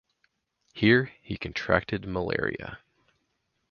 Here he contracted malaria.